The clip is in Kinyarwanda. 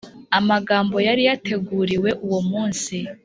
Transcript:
amagambo yari yateguriwe uwo munsi.